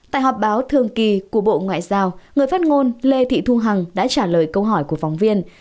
tại họp báo thường kỳ của bộ ngoại giao người phát ngôn lê thị thu hằng đã trả lời câu hỏi của phóng viên